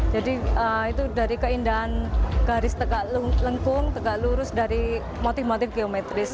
jadi itu dari keindahan garis tegak lengkung tegak lurus dari motif motif geometris